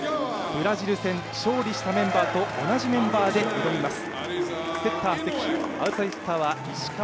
ブラジル戦勝利したメンバーと同じメンバーで挑みます。